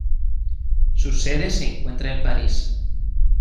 Su sede se encuentra en París.